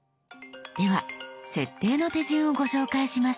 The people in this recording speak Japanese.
では設定の手順をご紹介します。